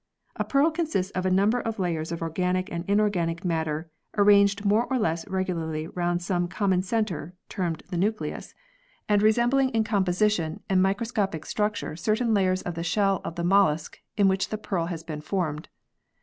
A pearl consists of a number of layers of organic and inorganic matter, arranged more or less regularly round some common centre (termed the nucleus) and v] PEARLS 53 resembling in composition and microscopic structure certain layers of the shell of the mollusc in which the pearl has been formed.